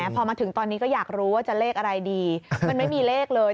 พอมาถึงตอนนี้ก็อยากรู้ว่าจะเลขอะไรดีมันไม่มีเลขเลย